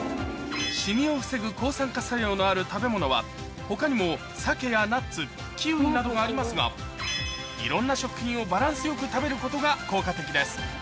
シミを防ぐ抗酸化作用のある食べ物は他にもなどがありますがいろんな食品をバランスよく食べることが効果的です